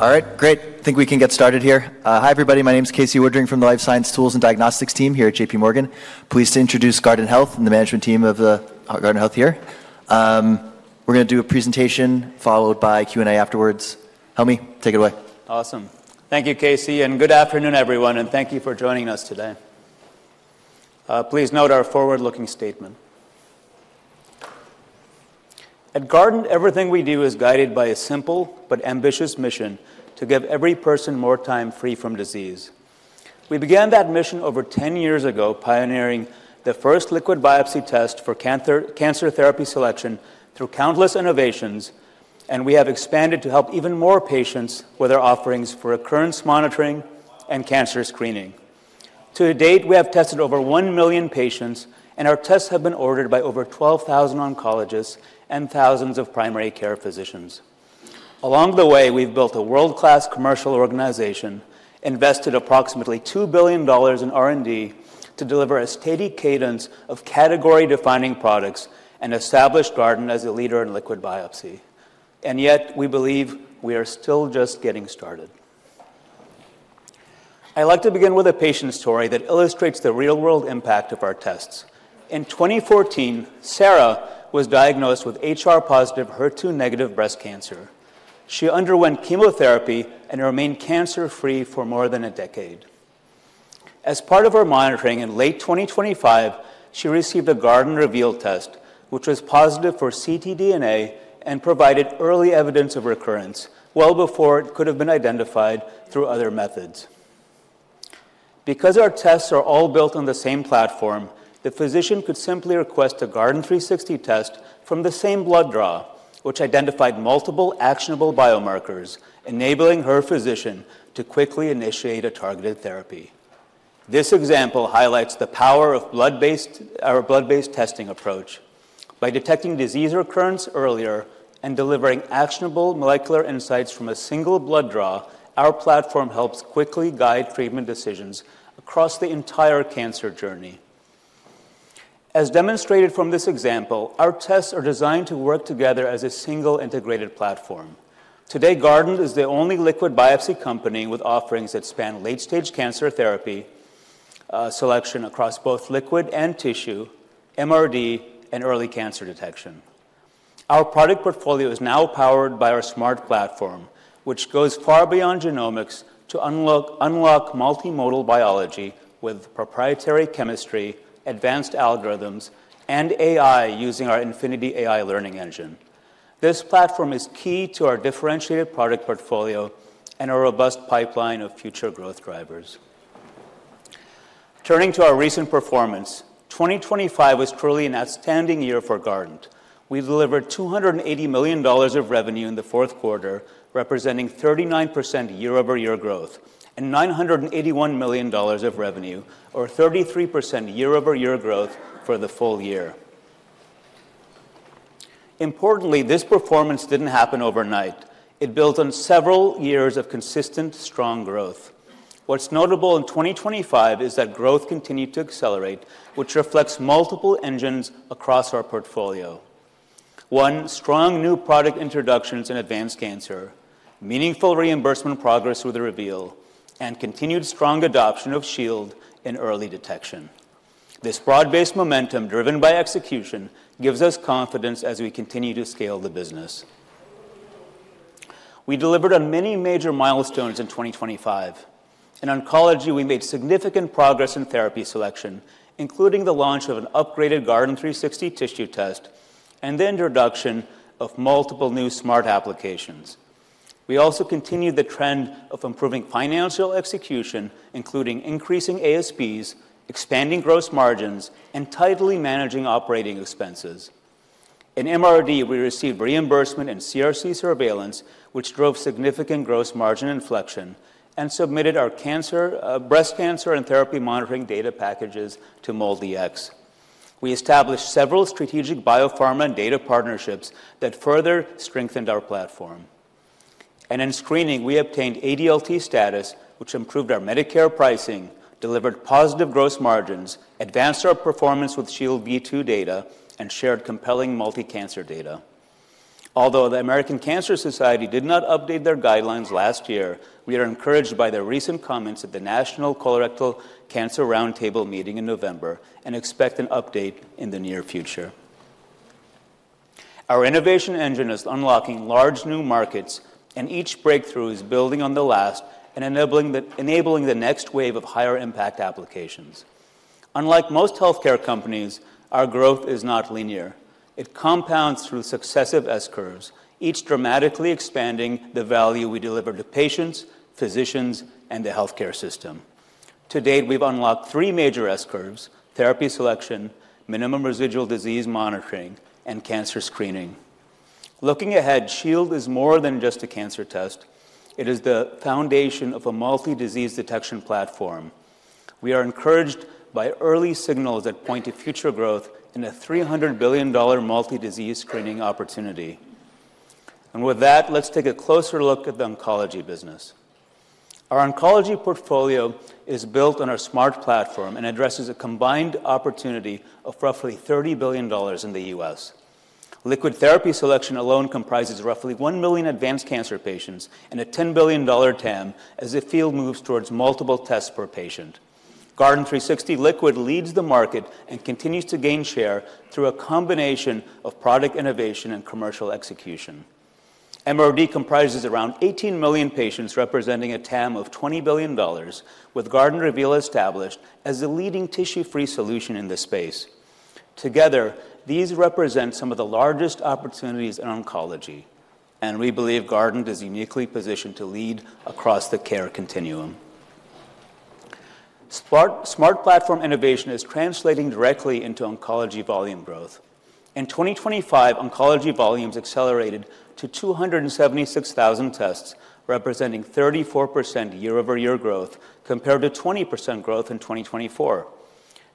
All right, great. I think we can get started here. Hi, everybody. My name is Casey Woodring from the Life Science Tools and Diagnostics team here at JPMorgan. Pleased to introduce Guardant Health and the management team of Guardant Health here. We're going to do a presentation followed by Q&A afterwards. Helmy, take it away. Awesome. Thank you, Casey. Good afternoon, everyone. Thank you for joining us today. Please note our forward-looking statement. At Guardant, everything we do is guided by a simple but ambitious mission to give every person more time free from disease. We began that mission over 10 years ago, pioneering the first liquid biopsy test for cancer therapy selection through countless innovations. We have expanded to help even more patients with our offerings for recurrence monitoring and cancer screening. To date, we have tested over 1 million patients, and our tests have been ordered by over 12,000 oncologists and thousands of primary care physicians. Along the way, we've built a world-class commercial organization, invested approximately $2 billion in R&D to deliver a steady cadence of category-defining products, and established Guardant as a leader in liquid biopsy. Yet, we believe we are still just getting started. I'd like to begin with a patient story that illustrates the real-world impact of our tests. In 2014, Sarah was diagnosed with HR-positive, HER2-negative breast cancer. She underwent chemotherapy and remained cancer-free for more than a decade. As part of her monitoring in late 2025, she received a Guardant Reveal test, which was positive for ctDNA and provided early evidence of recurrence well before it could have been identified through other methods. Because our tests are all built on the same platform, the physician could simply request a Guardant360 test from the same blood draw, which identified multiple actionable biomarkers, enabling her physician to quickly initiate a targeted therapy. This example highlights the power of our blood-based testing approach. By detecting disease recurrence earlier and delivering actionable molecular insights from a single blood draw, our platform helps quickly guide treatment decisions across the entire cancer journey. As demonstrated from this example, our tests are designed to work together as a single integrated platform. Today, Guardant is the only liquid biopsy company with offerings that span late-stage cancer therapy selection across both liquid and tissue, MRD, and early cancer detection. Our product portfolio is now powered by our smart platform, which goes far beyond genomics to unlock multimodal biology with proprietary chemistry, advanced algorithms, and AI using our Infinity AI learning engine. This platform is key to our differentiated product portfolio and a robust pipeline of future growth drivers. Turning to our recent performance, 2025 was truly an outstanding year for Guardant. We delivered $280 million of revenue in the fourth quarter, representing 39% year-over-year growth and $981 million of revenue, or 33% year-over-year growth for the full year. Importantly, this performance didn't happen overnight. It built on several years of consistent, strong growth. What's notable in 2025 is that growth continued to accelerate, which reflects multiple engines across our portfolio. One, strong new product introductions in advanced cancer, meaningful reimbursement progress with the Reveal, and continued strong adoption of Shield in early detection. This broad-based momentum, driven by execution, gives us confidence as we continue to scale the business. We delivered on many major milestones in 2025. In oncology, we made significant progress in therapy selection, including the launch of an upgraded Guardant360 Tissue test and the introduction of multiple new smart applications. We also continued the trend of improving financial execution, including increasing ASPs, expanding gross margins, and tightly managing operating expenses. In MRD, we received reimbursement and CRC surveillance, which drove significant gross margin inflection, and submitted our breast cancer and therapy monitoring data packages to MolDX. We established several strategic biopharma and data partnerships that further strengthened our platform. In screening, we obtained ADLT status, which improved our Medicare pricing, delivered positive gross margins, advanced our performance with Shield V2 data, and shared compelling multicancer data. Although the American Cancer Society did not update their guidelines last year, we are encouraged by their recent comments at the National Colorectal Cancer Roundtable meeting in November and expect an update in the near future. Our innovation engine is unlocking large new markets, and each breakthrough is building on the last and enabling the next wave of higher-impact applications. Unlike most healthcare companies, our growth is not linear. It compounds through successive S curves, each dramatically expanding the value we deliver to patients, physicians, and the healthcare system. To date, we've unlocked three major S curves: therapy selection, minimal residual disease monitoring, and cancer screening. Looking ahead, Shield is more than just a cancer test. It is the foundation of a multi-disease detection platform. We are encouraged by early signals that point to future growth in a $300 billion multi-disease screening opportunity. And with that, let's take a closer look at the oncology business. Our oncology portfolio is built on our smart platform and addresses a combined opportunity of roughly $30 billion in the U.S. liquid therapy selection alone comprises roughly one million advanced cancer patients and a $10 billion TAM as the field moves towards multiple tests per patient. Guardant360 Liquid leads the market and continues to gain share through a combination of product innovation and commercial execution. MRD comprises around 18 million patients, representing a TAM of $20 billion, with Guardant Reveal established as the leading tissue-free solution in this space. Together, these represent some of the largest opportunities in oncology. And we believe Guardant is uniquely positioned to lead across the care continuum. Smart platform innovation is translating directly into oncology volume growth. In 2025, oncology volumes accelerated to 276,000 tests, representing 34% year-over-year growth compared to 20% growth in 2024.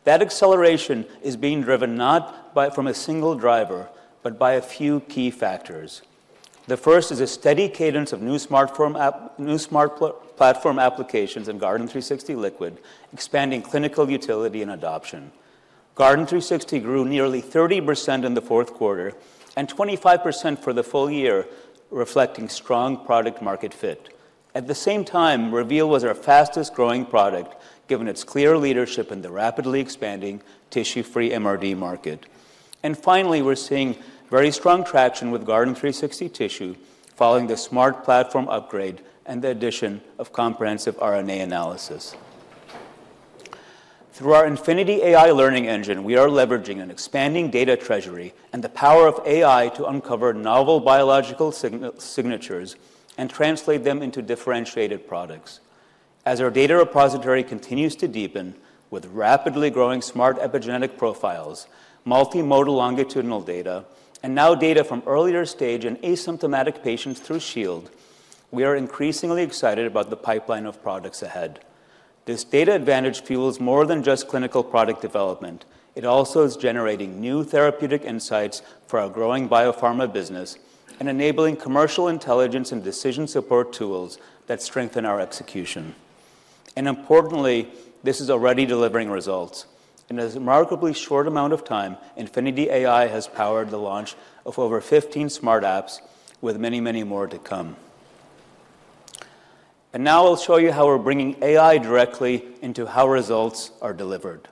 That acceleration is being driven not from a single driver, but by a few key factors. The first is a steady cadence of new smart platform applications in Guardant360 Liquid, expanding clinical utility and adoption. Guardant360 grew nearly 30% in the fourth quarter and 25% for the full year, reflecting strong product-market fit. At the same time, Reveal was our fastest-growing product, given its clear leadership in the rapidly expanding tissue-free MRD market. And finally, we're seeing very strong traction with Guardant360 Tissue following the smart platform upgrade and the addition of comprehensive RNA analysis. Through our Infinity AI learning engine, we are leveraging an expanding data treasury and the power of AI to uncover novel biological signatures and translate them into differentiated products. As our data repository continues to deepen with rapidly growing smart epigenetic profiles, multimodal longitudinal data, and now data from earlier-stage and asymptomatic patients through Shield, we are increasingly excited about the pipeline of products ahead. This data advantage fuels more than just clinical product development. It also is generating new therapeutic insights for our growing biopharma business and enabling commercial intelligence and decision support tools that strengthen our execution. And importantly, this is already delivering results. In a remarkably short amount of time, Infinity AI has powered the launch of over 15 smart apps, with many, many more to come. And now I'll show you how we're bringing AI directly into how results are delivered,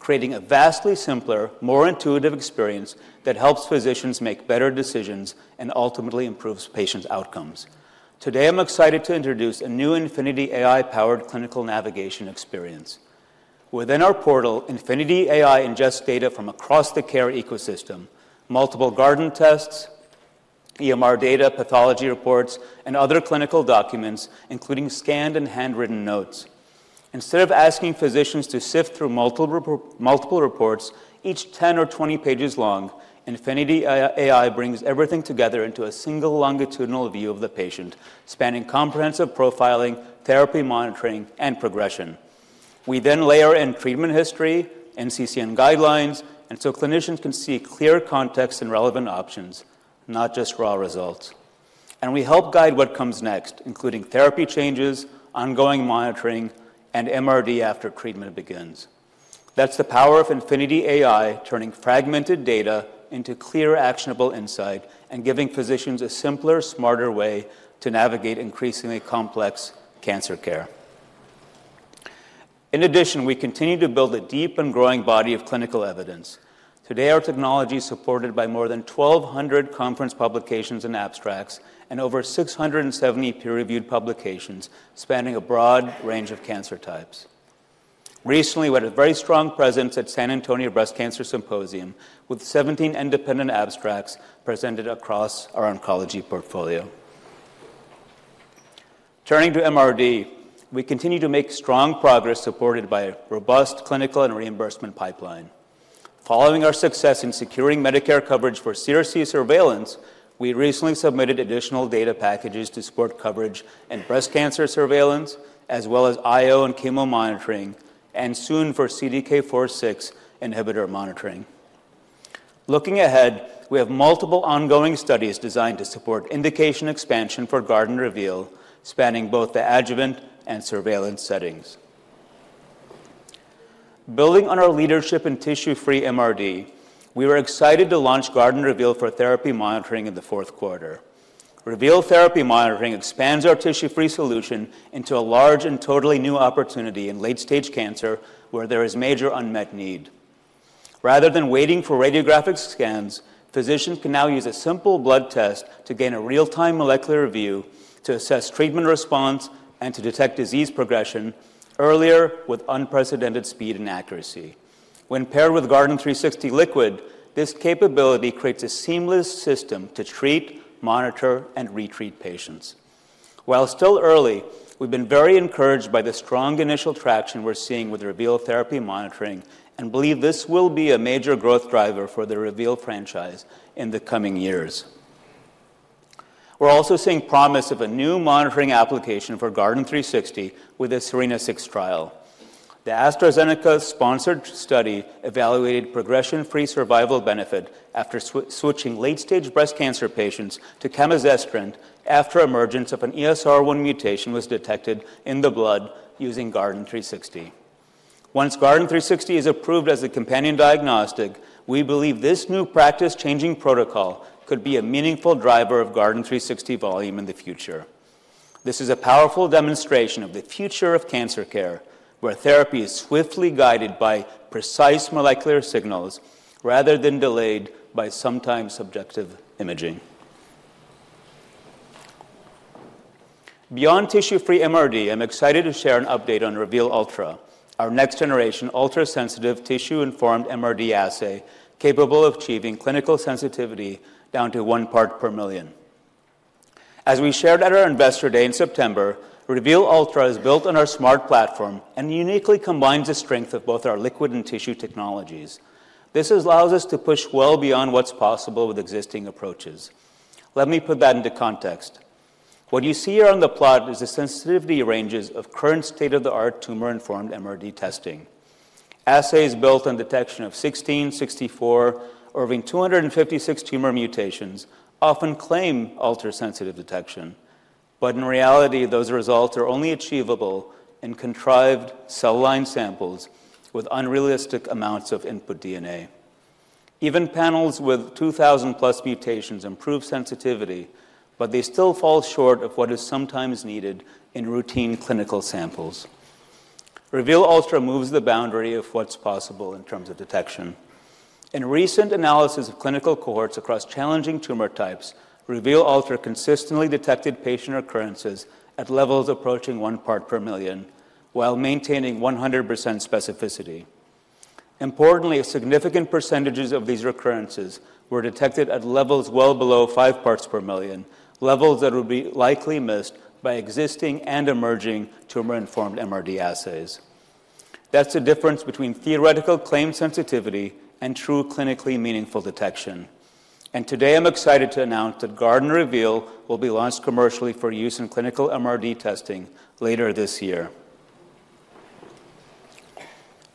creating a vastly simpler, more intuitive experience that helps physicians make better decisions and ultimately improves patients' outcomes. Today, I'm excited to introduce a new Infinity AI-powered clinical navigation experience. Within our portal, Infinity AI ingests data from across the care ecosystem: multiple Guardant tests, EMR data, pathology reports, and other clinical documents, including scanned and handwritten notes. Instead of asking physicians to sift through multiple reports, each 10 or 20 pages long, Infinity AI brings everything together into a single longitudinal view of the patient, spanning comprehensive profiling, therapy monitoring, and progression. We then layer in treatment history, NCCN guidelines, so clinicians can see clear context and relevant options, not just raw results. And we help guide what comes next, including therapy changes, ongoing monitoring, and MRD after treatment begins. That's the power of Infinity AI, turning fragmented data into clear, actionable insight and giving physicians a simpler, smarter way to navigate increasingly complex cancer care. In addition, we continue to build a deep and growing body of clinical evidence. Today, our technology is supported by more than 1,200 conference publications and abstracts and over 670 peer-reviewed publications spanning a broad range of cancer types. Recently, we had a very strong presence at San Antonio Breast Cancer Symposium with 17 independent abstracts presented across our oncology portfolio. Turning to MRD, we continue to make strong progress supported by a robust clinical and reimbursement pipeline. Following our success in securing Medicare coverage for CRC surveillance, we recently submitted additional data packages to support coverage in breast cancer surveillance, as well as IO and chemo monitoring, and soon for CDK4/6 inhibitor monitoring. Looking ahead, we have multiple ongoing studies designed to support indication expansion for Guardant Reveal, spanning both the adjuvant and surveillance settings. Building on our leadership in tissue-free MRD, we were excited to launch Guardant Reveal for therapy monitoring in the fourth quarter. Reveal therapy monitoring expands our tissue-free solution into a large and totally new opportunity in late-stage cancer where there is major unmet need. Rather than waiting for radiographic scans, physicians can now use a simple blood test to gain a real-time molecular view to assess treatment response and to detect disease progression earlier with unprecedented speed and accuracy. When paired with Guardant360 Liquid, this capability creates a seamless system to treat, monitor, and retreat patients. While still early, we've been very encouraged by the strong initial traction we're seeing with Reveal therapy monitoring and believe this will be a major growth driver for the Reveal franchise in the coming years. We're also seeing promise of a new monitoring application for Guardant360 with a SERENA-6 trial. The AstraZeneca-sponsored study evaluated progression-free survival benefit after switching late-stage breast cancer patients to camizestrant after emergence of an ESR1 mutation was detected in the blood using Guardant360. Once Guardant360 is approved as a companion diagnostic, we believe this new practice-changing protocol could be a meaningful driver of Guardant360 volume in the future. This is a powerful demonstration of the future of cancer care, where therapy is swiftly guided by precise molecular signals rather than delayed by sometimes subjective imaging. Beyond tissue-free MRD, I'm excited to share an update on Reveal Ultra, our next-generation ultra-sensitive tissue-informed MRD assay capable of achieving clinical sensitivity down to one part per million. As we shared at our investor day in September, Reveal Ultra is built on our smart platform and uniquely combines the strength of both our liquid and tissue technologies. This allows us to push well beyond what's possible with existing approaches. Let me put that into context. What you see here on the plot is the sensitivity ranges of current state-of-the-art tumor-informed MRD testing. Assays built on detection of 16-64, or 256 tumor mutations, often claim ultra-sensitive detection. But in reality, those results are only achievable in contrived cell line samples with unrealistic amounts of input DNA. Even panels with 2,000-plus mutations improve sensitivity, but they still fall short of what is sometimes needed in routine clinical samples. Reveal Ultra moves the boundary of what's possible in terms of detection. In recent analysis of clinical cohorts across challenging tumor types, Reveal Ultra consistently detected patient recurrences at levels approaching one part per million while maintaining 100% specificity. Importantly, significant percentages of these recurrences were detected at levels well below five parts per million, levels that would be likely missed by existing and emerging tumor-informed MRD assays. That's the difference between theoretical claim sensitivity and true clinically meaningful detection. And today, I'm excited to announce that Guardant Reveal will be launched commercially for use in clinical MRD testing later this year.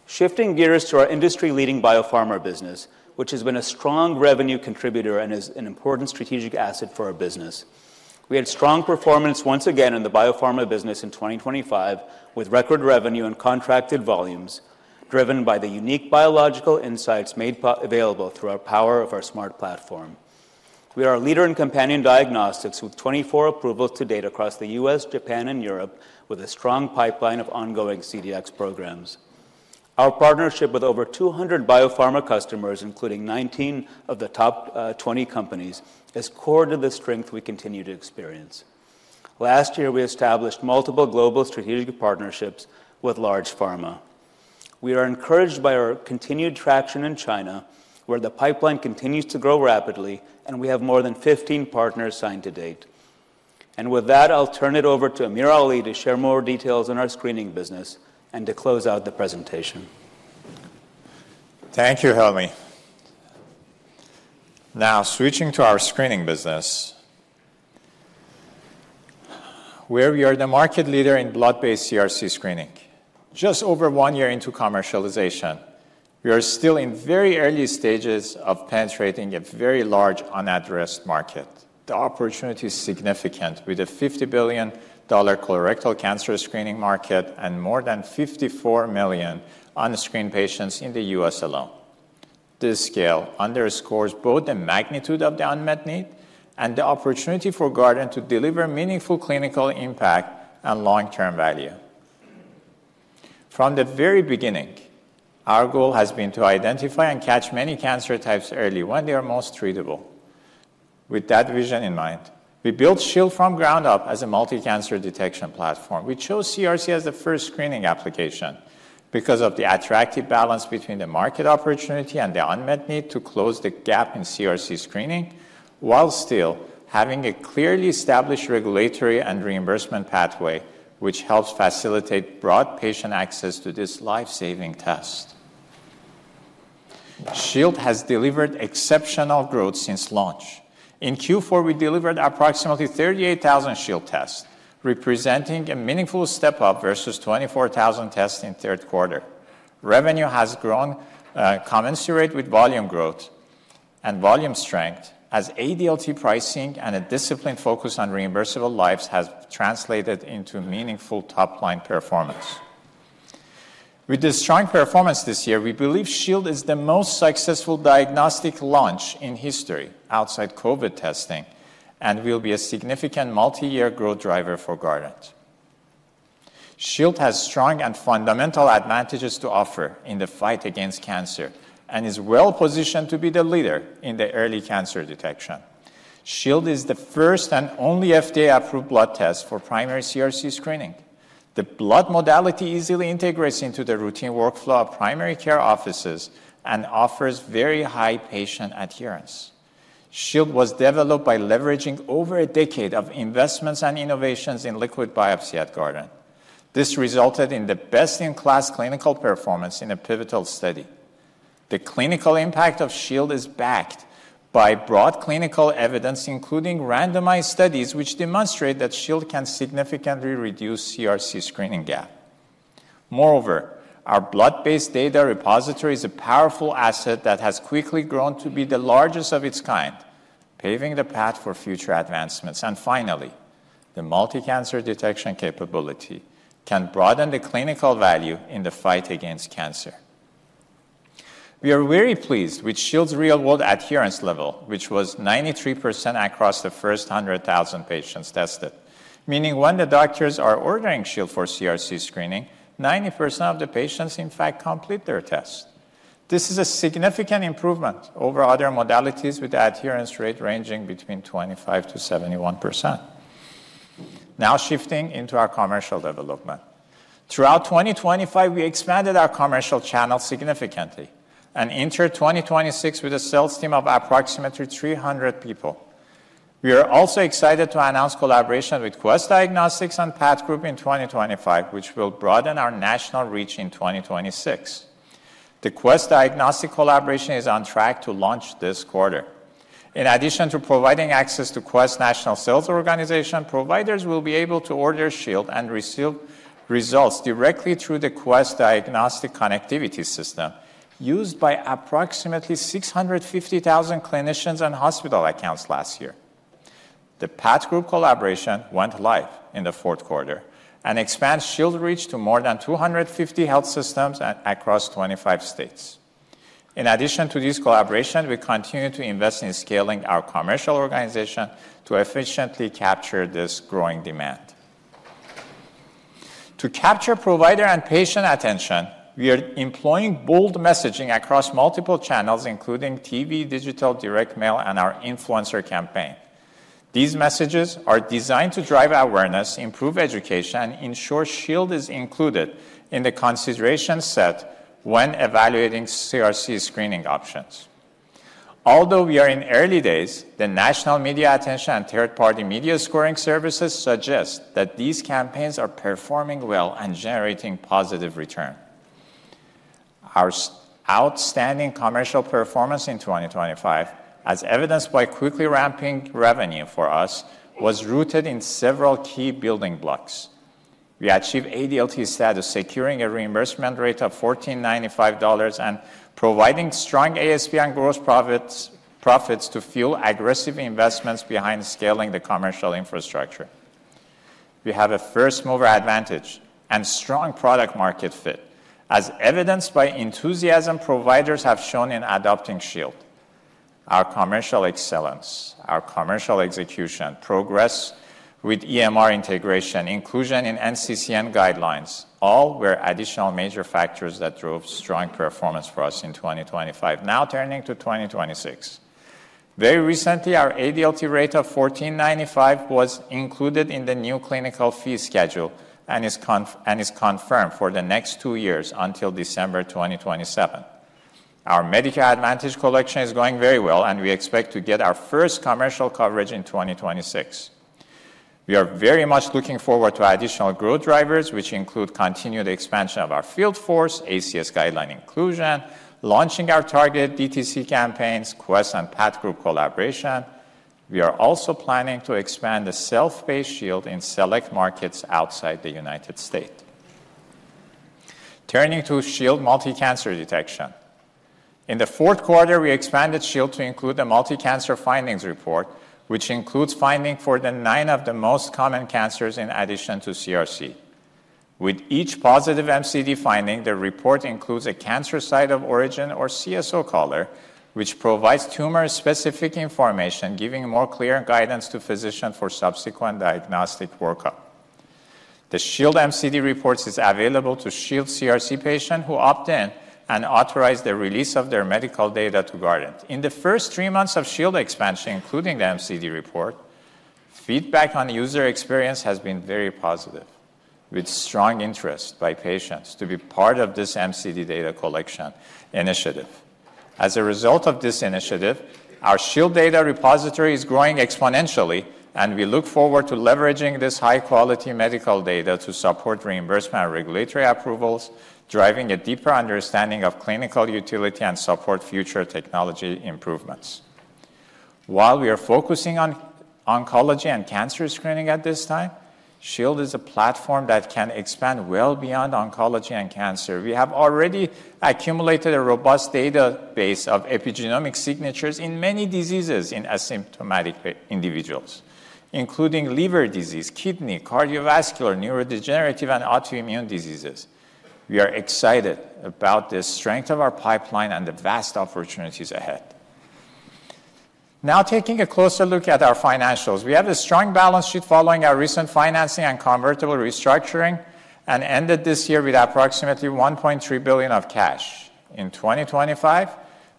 Shifting gears to our industry-leading biopharma business, which has been a strong revenue contributor and is an important strategic asset for our business. We had strong performance once again in the biopharma business in 2025 with record revenue and contracted volumes driven by the unique biological insights made available through the power of our smart platform. We are a leader in companion diagnostics with 24 approvals to date across the U.S., Japan, and Europe, with a strong pipeline of ongoing CDx programs. Our partnership with over 200 biopharma customers, including 19 of the top 20 companies, has confirmed the strength we continue to experience. Last year, we established multiple global strategic partnerships with large pharma. We are encouraged by our continued traction in China, where the pipeline continues to grow rapidly, and we have more than 15 partners signed to date. With that, I'll turn it over to AmirAli to share more details on our screening business and to close out the presentation. Thank you, Helmy. Now, switching to our screening business, where we are the market leader in blood-based CRC screening. Just over one year into commercialization, we are still in very early stages of penetrating a very large unaddressed market. The opportunity is significant with a $50 billion colorectal cancer screening market and more than 54 million unscreened patients in the U.S. alone. This scale underscores both the magnitude of the unmet need and the opportunity for Guardant to deliver meaningful clinical impact and long-term value. From the very beginning, our goal has been to identify and catch many cancer types early when they are most treatable. With that vision in mind, we built Shield from ground up as a multi-cancer detection platform. We chose CRC as the first screening application because of the attractive balance between the market opportunity and the unmet need to close the gap in CRC screening, while still having a clearly established regulatory and reimbursement pathway, which helps facilitate broad patient access to this lifesaving test. Shield has delivered exceptional growth since launch. In Q4, we delivered approximately 38,000 Shield tests, representing a meaningful step up versus 24,000 tests in the third quarter. Revenue has grown commensurate with volume growth and volume strength as ADLT pricing and a disciplined focus on reimbursable lives has translated into meaningful top-line performance. With this strong performance this year, we believe Shield is the most successful diagnostic launch in history outside COVID testing and will be a significant multi-year growth driver for Guardant. Shield has strong and fundamental advantages to offer in the fight against cancer and is well-positioned to be the leader in the early cancer detection. Shield is the first and only FDA-approved blood test for primary CRC screening. The blood modality easily integrates into the routine workflow of primary care offices and offers very high patient adherence. Shield was developed by leveraging over a decade of investments and innovations in liquid biopsy at Guardant. This resulted in the best-in-class clinical performance in a pivotal study. The clinical impact of Shield is backed by broad clinical evidence, including randomized studies, which demonstrate that Shield can significantly reduce CRC screening gap. Moreover, our blood-based data repository is a powerful asset that has quickly grown to be the largest of its kind, paving the path for future advancements. And finally, the multi-cancer detection capability can broaden the clinical value in the fight against cancer. We are very pleased with Shield's real-world adherence level, which was 93% across the first 100,000 patients tested, meaning when the doctors are ordering Shield for CRC screening, 90% of the patients, in fact, complete their test. This is a significant improvement over other modalities with adherence rate ranging between 25%-71%. Now, shifting into our commercial development. Throughout 2025, we expanded our commercial channel significantly and entered 2026 with a sales team of approximately 300 people. We are also excited to announce collaboration with Quest Diagnostics and PathGroup in 2025, which will broaden our national reach in 2026. The Quest Diagnostics collaboration is on track to launch this quarter. In addition to providing access to Quest Diagnostics national sales organization, providers will be able to order Shield and receive results directly through the Quest Diagnostics connectivity system used by approximately 650,000 clinicians and hospital accounts last year. The PathGroup collaboration went live in the fourth quarter and expanded Shield reach to more than 250 health systems across 25 states. In addition to this collaboration, we continue to invest in scaling our commercial organization to efficiently capture this growing demand. To capture provider and patient attention, we are employing bold messaging across multiple channels, including TV, digital, direct mail, and our influencer campaign. These messages are designed to drive awareness, improve education, and ensure Shield is included in the consideration set when evaluating CRC screening options. Although we are in early days, the national media attention and third-party media scoring services suggest that these campaigns are performing well and generating positive returns. Our outstanding commercial performance in 2025, as evidenced by quickly ramping revenue for us, was rooted in several key building blocks. We achieved ADLT status, securing a reimbursement rate of $1,495 and providing strong ASP and gross profits to fuel aggressive investments behind scaling the commercial infrastructure. We have a first-mover advantage and strong product-market fit, as evidenced by enthusiasm providers have shown in adopting Shield. Our commercial excellence, our commercial execution, progress with EMR integration, inclusion in NCCN guidelines, all were additional major factors that drove strong performance for us in 2025, now turning to 2026. Very recently, our ADLT rate of $1,495 was included in the new clinical fee schedule and is confirmed for the next two years until December 2027. Our Medicare Advantage collection is going very well, and we expect to get our first commercial coverage in 2026. We are very much looking forward to additional growth drivers, which include continued expansion of our field force, ACS guideline inclusion, launching our targeted DTC campaigns, Quest and PathGroup collaboration. We are also planning to expand the self-pay Shield in select markets outside the United States. Turning to Shield multi-cancer detection. In the fourth quarter, we expanded Shield to include the multi-cancer findings report, which includes findings for nine of the most common cancers in addition to CRC. With each positive MCD finding, the report includes a cancer site of origin or CSO caller, which provides tumor-specific information, giving more clear guidance to physicians for subsequent diagnostic workup. The Shield MCD report is available to Shield CRC patients who opt in and authorize the release of their medical data to Guardant. In the first three months of Shield expansion, including the MCD report, feedback on user experience has been very positive, with strong interest by patients to be part of this MCD data collection initiative. As a result of this initiative, our Shield data repository is growing exponentially, and we look forward to leveraging this high-quality medical data to support reimbursement and regulatory approvals, driving a deeper understanding of clinical utility and support future technology improvements. While we are focusing on oncology and cancer screening at this time, Shield is a platform that can expand well beyond oncology and cancer. We have already accumulated a robust database of epigenomic signatures in many diseases in asymptomatic individuals, including liver disease, kidney, cardiovascular, neurodegenerative, and autoimmune diseases. We are excited about the strength of our pipeline and the vast opportunities ahead. Now, taking a closer look at our financials, we have a strong balance sheet following our recent financing and convertible restructuring and ended this year with approximately $1.3 billion of cash. In 2025,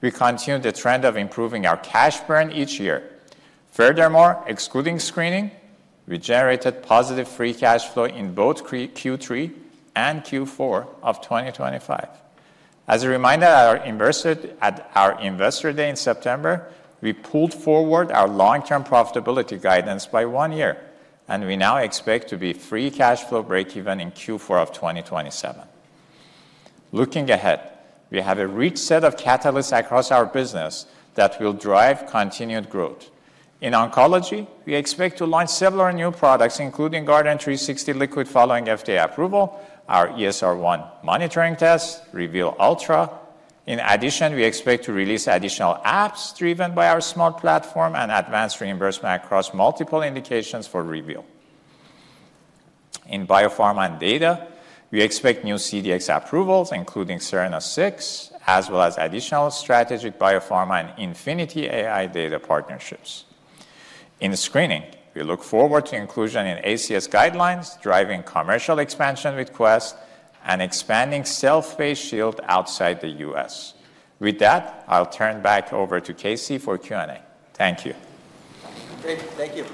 we continued the trend of improving our cash burn each year. Furthermore, excluding screening, we generated positive free cash flow in both Q3 and Q4 of 2025. As a reminder at our Investor Day in September, we pulled forward our long-term profitability guidance by one year, and we now expect to be free cash flow breakeven in Q4 of 2027. Looking ahead, we have a rich set of catalysts across our business that will drive continued growth. In oncology, we expect to launch several new products, including Guardant360 Liquid following FDA approval, our ESR1 monitoring test, Reveal Ultra. In addition, we expect to release additional apps driven by our smart platform and advanced reimbursement across multiple indications for Reveal. In biopharma and data, we expect new CDx approvals, including SERENA-6, as well as additional strategic biopharma and Infinity AI data partnerships. In screening, we look forward to inclusion in ACS guidelines, driving commercial expansion with Quest and expanding self-pay Shield outside the U.S. With that, I'll turn back over to Casey for Q&A. Thank you. Great. Thank you.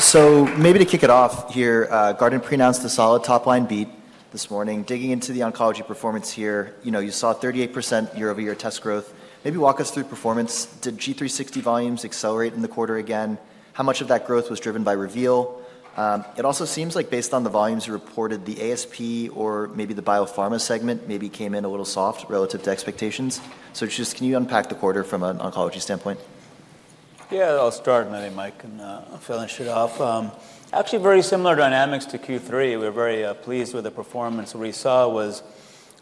So maybe to kick it off here, Guardant pre-announced a solid top-line beat this morning. Digging into the oncology performance here, you know, you saw 38% year-over-year test growth. Maybe walk us through performance. Did G360 volumes accelerate in the quarter again? How much of that growth was driven by Reveal? It also seems like, based on the volumes you reported, the ASP or maybe the biopharma segment maybe came in a little soft relative to expectations. So just can you unpack the quarter from an oncology standpoint? Yeah, I'll start, Helmy. Mike, and finish it off. Actually, very similar dynamics to Q3. We're very pleased with the performance. What we saw was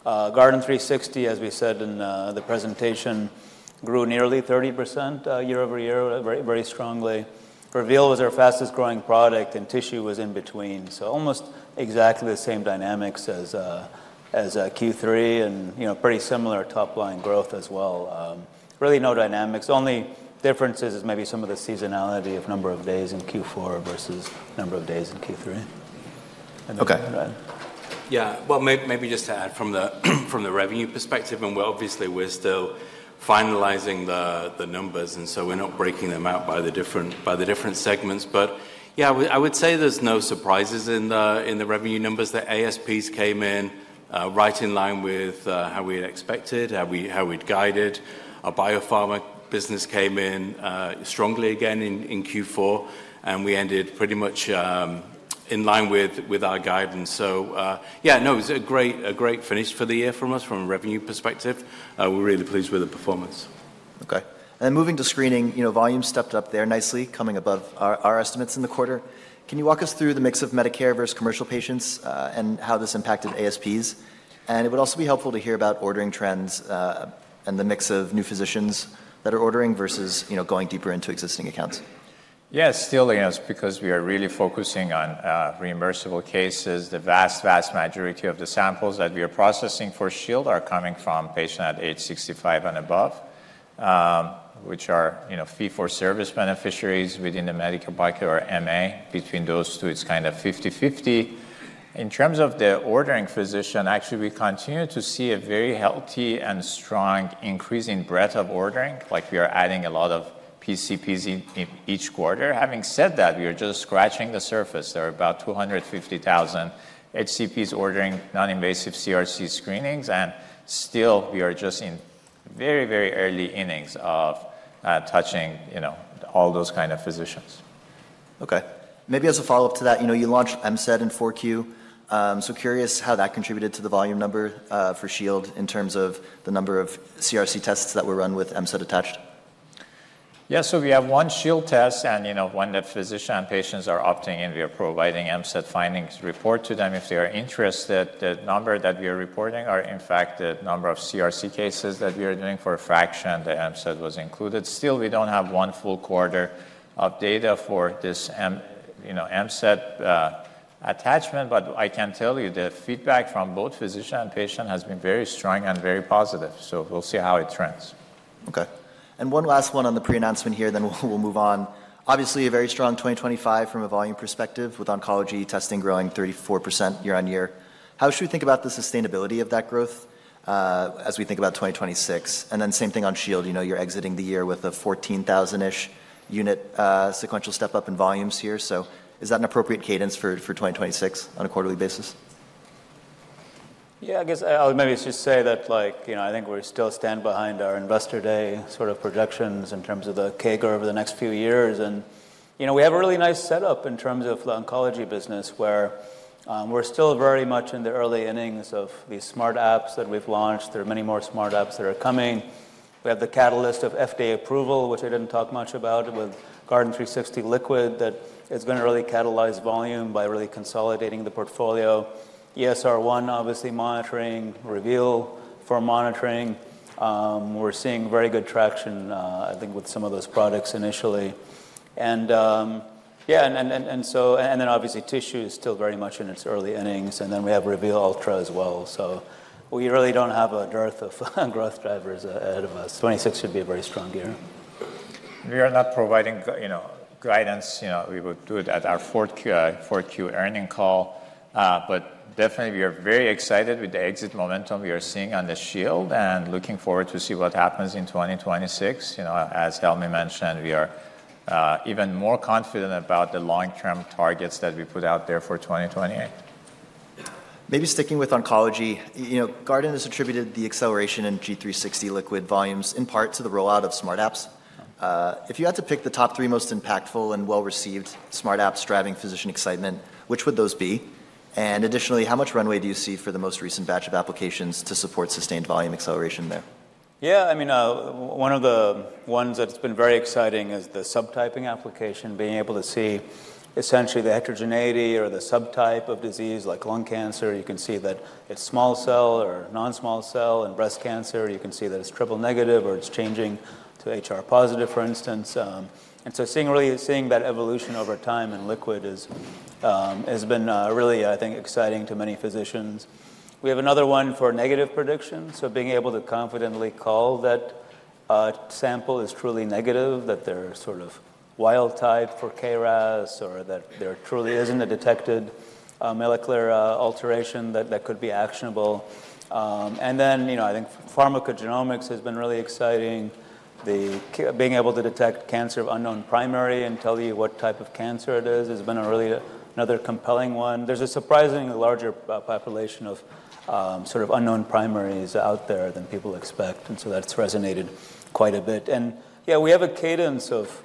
Guardant360, as we said in the presentation, grew nearly 30% year-over-year, very strongly. Reveal was our fastest-growing product, and Tissue was in between. So almost exactly the same dynamics as Q3 and, you know, pretty similar top-line growth as well. Really no dynamics. The only difference is maybe some of the seasonality of number of days in Q4 versus number of days in Q3. Okay. Yeah. Well, maybe just to add from the revenue perspective, and obviously, we're still finalizing the numbers, and so we're not breaking them out by the different segments. But yeah, I would say there's no surprises in the revenue numbers. The ASPs came in right in line with how we had expected, how we'd guided. Our biopharma business came in strongly again in Q4, and we ended pretty much in line with our guidance. So yeah, no, it was a great finish for the year from us from a revenue perspective. We're really pleased with the performance. Okay. And then moving to screening, you know, volumes stepped up there nicely, coming above our estimates in the quarter. Can you walk us through the mix of Medicare versus commercial patients and how this impacted ASPs? And it would also be helpful to hear about ordering trends and the mix of new physicians that are ordering versus, you know, going deeper into existing accounts. Yeah, still, yes, because we are really focusing on reimbursable cases. The vast, vast majority of the samples that we are processing for Shield are coming from patients at age 65 and above, which are, you know, fee-for-service beneficiaries within the Medicare bucket or MA. Between those two, it's kind of 50/50. In terms of the ordering physician, actually, we continue to see a very healthy and strong increase in breadth of ordering. Like, we are adding a lot of PCPs in each quarter. Having said that, we are just scratching the surface. There are about 250,000 HCPs ordering non-invasive CRC screenings, and still, we are just in very, very early innings of touching, you know, all those kinds of physicians. Okay. Maybe as a follow-up to that, you know, you launched MCD in 4Q. So curious how that contributed to the volume number for Shield in terms of the number of CRC tests that were run with MCD attached. Yeah, so we have one Shield test and, you know, one that physicians and patients are opting in. We are providing MCD findings report to them if they are interested. The number that we are reporting are, in fact, the number of CRC cases that we are doing for a fraction that MCD was included. Still, we don't have one full quarter of data for this, you know, MCD attachment, but I can tell you the feedback from both physician and patient has been very strong and very positive. So we'll see how it trends. Okay. And one last one on the pre-announcement here, then we'll move on. Obviously, a very strong 2025 from a volume perspective with oncology testing growing 34% year-on-year. How should we think about the sustainability of that growth as we think about 2026? And then same thing on Shield. You know, you're exiting the year with a 14,000-ish unit sequential step-up in volumes here. So is that an appropriate cadence for 2026 on a quarterly basis? Yeah, I guess I would maybe just say that, like, you know, I think we're still standing behind our Investor Day sort of projections in terms of the CAGR over the next few years. And, you know, we have a really nice setup in terms of the oncology business where we're still very much in the early innings of these smart apps that we've launched. There are many more smart apps that are coming. We have the catalyst of FDA approval, which I didn't talk much about, with Guardant360 Liquid that has been early catalyzed volume by really consolidating the portfolio. ESR1, obviously, monitoring Reveal for monitoring. We're seeing very good traction, I think, with some of those products initially. And yeah, and so, and then obviously, Tissue is still very much in its early innings, and then we have Reveal Ultra as well. So we really don't have a dearth of growth drivers ahead of us. 2026 should be a very strong year. We are not providing, you know, guidance. You know, we will do it at our 4Q earnings call. But definitely, we are very excited with the exit momentum we are seeing on the Shield and looking forward to see what happens in 2026. You know, as Helmy mentioned, we are even more confident about the long-term targets that we put out there for 2028. Maybe sticking with oncology, you know, Guardant has attributed the acceleration in G360 Liquid volumes in part to the rollout of smart apps. If you had to pick the top three most impactful and well-received smart apps driving physician excitement, which would those be? And additionally, how much runway do you see for the most recent batch of applications to support sustained volume acceleration there? Yeah, I mean, one of the ones that's been very exciting is the subtyping application, being able to see essentially the heterogeneity or the subtype of disease like lung cancer. You can see that it's small cell or non-small cell in breast cancer. You can see that it's triple negative or it's changing to HR positive, for instance. And so seeing really that evolution over time in liquid has been really, I think, exciting to many physicians. We have another one for negative prediction. So being able to confidently call that sample is truly negative, that they're sort of wild-type for KRAS or that there truly isn't a detected molecular alteration that could be actionable. And then, you know, I think pharmacogenomics has been really exciting. The being able to detect cancer of unknown primary and tell you what type of cancer it is has been really another compelling one. There's a surprisingly larger population of sort of unknown primaries out there than people expect. And so that's resonated quite a bit. And yeah, we have a cadence of,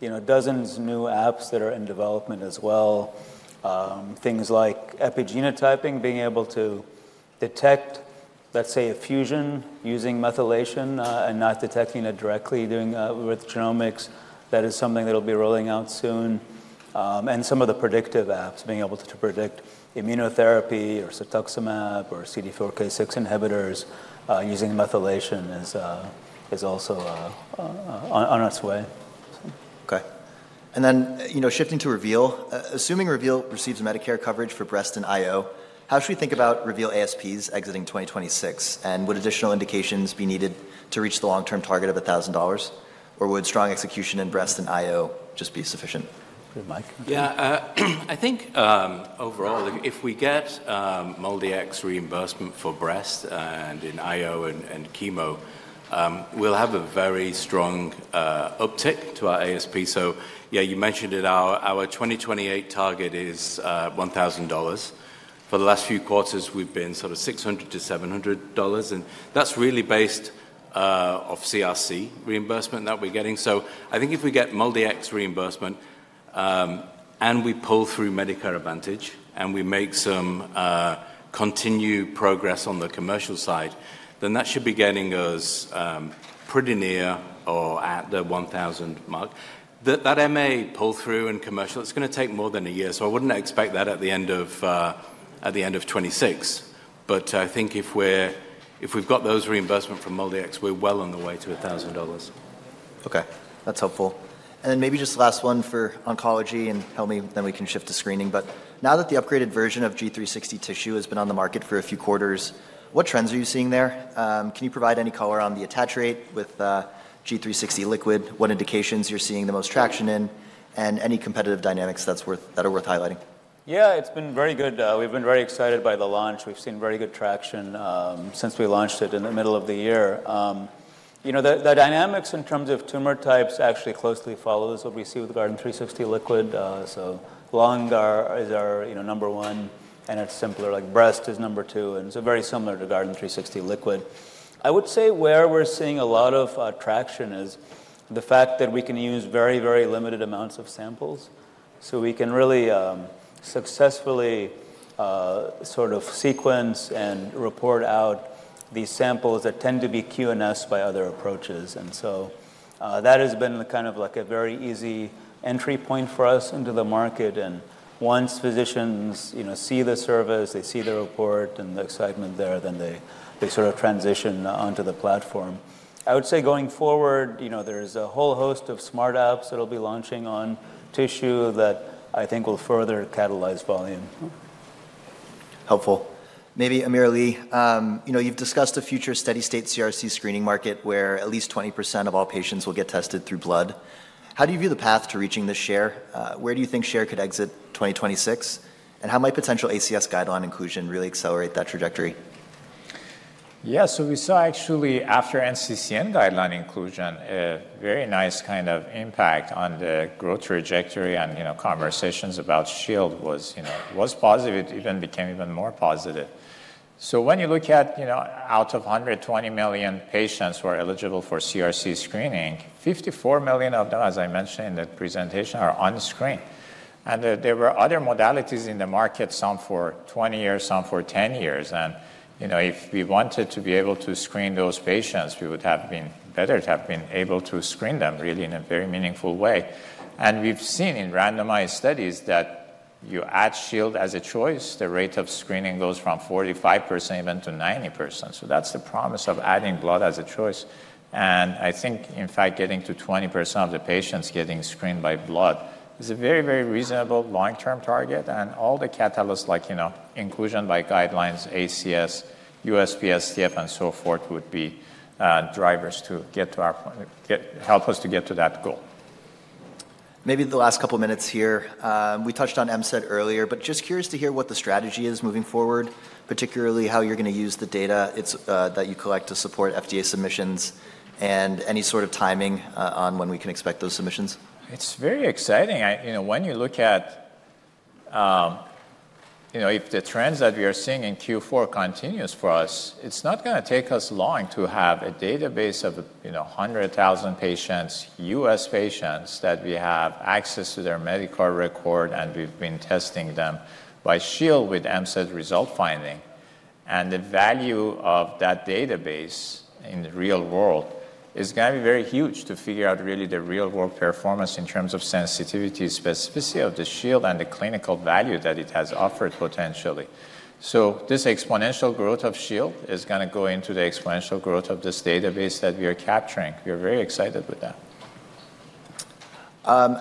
you know, dozens of new apps that are in development as well. Things like epigenotyping, being able to detect, let's say, a fusion using methylation and not detecting it directly with genomics. That is something that will be rolling out soon. And some of the predictive apps, being able to predict immunotherapy or cetuximab or CDK4/6 inhibitors using methylation is also on its way. Okay. And then, you know, shifting to Reveal, assuming Reveal receives Medicare coverage for breast and IO, how should we think about Reveal ASPs exiting 2026? And would additional indications be needed to reach the long-term target of $1,000? Or would strong execution in breast and IO just be sufficient? Yeah, I think overall, if we get MolDX reimbursement for breast and in IO and chemo, we'll have a very strong uptick to our ASP. So yeah, you mentioned it, our 2028 target is $1,000. For the last few quarters, we've been sort of $600-$700. That's really based off CRC reimbursement that we're getting. So I think if we get MolDX reimbursement and we pull through Medicare Advantage and we make some continued progress on the commercial side, then that should be getting us pretty near or at the 1,000 mark. That MA pull-through in commercial, it's going to take more than a year. So I wouldn't expect that at the end of 2026. But I think if we've got those reimbursements from MolDX, we're well on the way to $1,000. Okay. That's helpful. And then maybe just the last one for oncology and Helmy, then we can shift to screening. But now that the upgraded version of G360 Tissue has been on the market for a few quarters, what trends are you seeing there? Can you provide any color on the attach rate with G360 Liquid, what indications you're seeing the most traction in, and any competitive dynamics that are worth highlighting? Yeah, it's been very good. We've been very excited by the launch. We've seen very good traction since we launched it in the middle of the year. You know, the dynamics in terms of tumor types actually closely follow what we see with Guardant360 Liquid. So lung is our number one, and it's simpler. Like breast is number two. And it's very similar to Guardant360 Liquid. I would say where we're seeing a lot of traction is the fact that we can use very, very limited amounts of samples. So we can really successfully sort of sequence and report out these samples that tend to be QNS by other approaches. And so that has been kind of like a very easy entry point for us into the market. And once physicians, you know, see the service, they see the report and the excitement there, then they sort of transition onto the platform. I would say going forward, you know, there's a whole host of smart apps that will be launching on Tissue that I think will further catalyze volume. Helpful. Maybe AmirAli, you know, you've discussed a future steady-state CRC screening market where at least 20% of all patients will get tested through blood. How do you view the path to reaching this share? Where do you think share could exit 2026? And how might potential ACS guideline inclusion really accelerate that trajectory? Yeah, so we saw actually after NCCN guideline inclusion, a very nice kind of impact on the growth trajectory and, you know, conversations about Shield was, you know, was positive. It even became even more positive. So when you look at, you know, out of 120 million patients who are eligible for CRC screening, 54 million of them, as I mentioned in the presentation, are unscreened. And there were other modalities in the market, some for 20 years, some for 10 years. And, you know, if we wanted to be able to screen those patients, we would have been better to have been able to screen them really in a very meaningful way. And we've seen in randomized studies that you add Shield as a choice, the rate of screening goes from 45% even to 90%. So that's the promise of adding blood as a choice. I think, in fact, getting to 20% of the patients getting screened by blood is a very, very reasonable long-term target. All the catalysts like, you know, inclusion by guidelines, ACS, USPSTF, and so forth would be drivers to get to our point, help us to get to that goal. Maybe the last couple of minutes here. We touched on MCED earlier, but just curious to hear what the strategy is moving forward, particularly how you're going to use the data that you collect to support FDA submissions and any sort of timing on when we can expect those submissions. It's very exciting. You know, when you look at, you know, if the trends that we are seeing in Q4 continues for us, it's not going to take us long to have a database of, you know, 100,000 patients, U.S. patients that we have access to their Medicare record, and we've been testing them by Shield with MCD result finding. And the value of that database in the real world is going to be very huge to figure out really the real-world performance in terms of sensitivity, specificity of the Shield and the clinical value that it has offered potentially. So this exponential growth of Shield is going to go into the exponential growth of this database that we are capturing. We are very excited with that.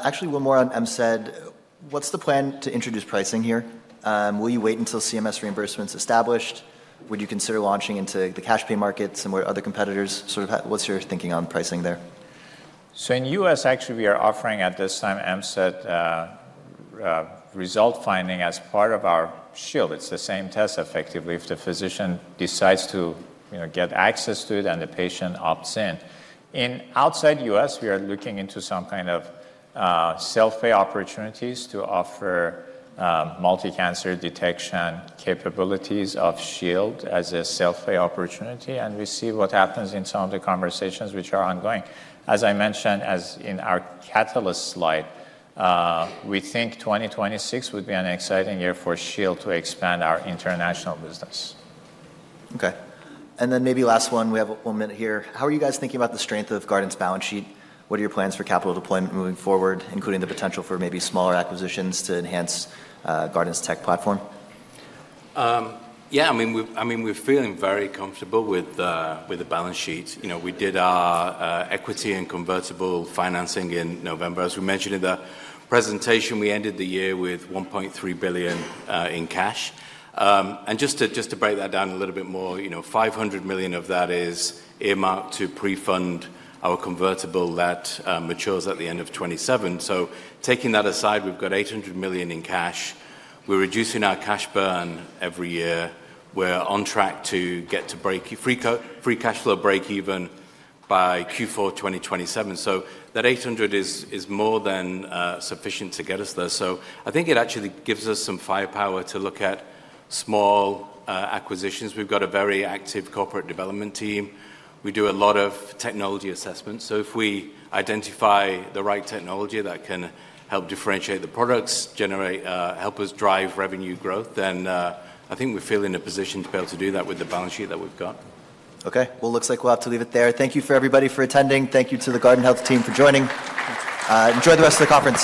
Actually, one more on MCD. What's the plan to introduce pricing here? Will you wait until CMS reimbursement's established? Would you consider launching into the cash pay market similar to other competitors? Sort of what's your thinking on pricing there? So in the U.S., actually, we are offering at this time MCD result finding as part of our Shield. It's the same test effectively if the physician decides to, you know, get access to it and the patient opts in. Outside the U.S., we are looking into some kind of self-pay opportunities to offer multi-cancer detection capabilities of Shield as a self-pay opportunity. And we see what happens in some of the conversations which are ongoing. As I mentioned, as in our catalyst slide, we think 2026 would be an exciting year for Shield to expand our international business. Okay. And then maybe last one, we have one minute here. How are you guys thinking about the strength of Guardant's balance sheet? What are your plans for capital deployment moving forward, including the potential for maybe smaller acquisitions to enhance Guardant's tech platform? Yeah, I mean, we're feeling very comfortable with the balance sheet. You know, we did our equity and convertible financing in November. As we mentioned in the presentation, we ended the year with $1.3 billion in cash. And just to break that down a little bit more, you know, $500 million of that is earmarked to pre-fund our convertible that matures at the end of 2027. So taking that aside, we've got $800 million in cash. We're reducing our cash burn every year. We're on track to get to free cash flow break-even by Q4 2027. So that $800 is more than sufficient to get us there. So I think it actually gives us some firepower to look at small acquisitions. We've got a very active corporate development team. We do a lot of technology assessments. So if we identify the right technology that can help differentiate the products, help us drive revenue growth, then I think we feel in a position to be able to do that with the balance sheet that we've got. Okay. Well, it looks like we'll have to leave it there. Thank you for everybody for attending. Thank you to the Guardant Health team for joining. Enjoy the rest of the conference.